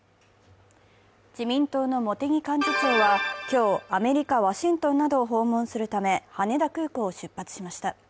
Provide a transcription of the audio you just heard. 自民党の茂木幹事長は今日、アメリカ・ワシントンなどを訪問するため、羽田空港を出発しました。